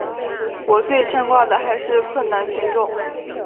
我最牵挂的还是困难群众。